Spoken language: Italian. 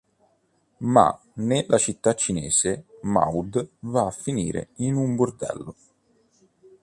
Ma, nella città cinese, Maud va a finire in un bordello.